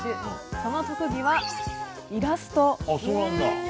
その特技は、イラスト。